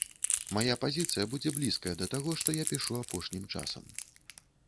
Мая пазіцыя будзе блізкая да таго, што я пішу апошнім часам.